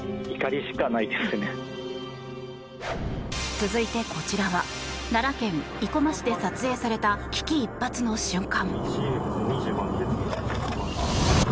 続いてこちらは奈良県生駒市で撮影された危機一髪の瞬間。